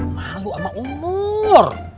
malu sama umur